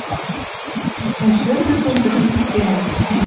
Тӹнь шӧргӹш дон тӹдӹм пӱктенӓт